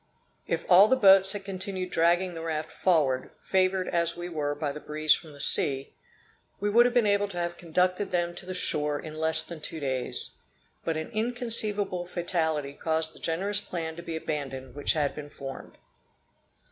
If all the boats had continued dragging the raft forward, favored as we were by the breeze from the sea, we would have been able to have conducted them to the shore in less than two days. But an inconceivable fatality caused the generous plan to be abandoned which had been formed.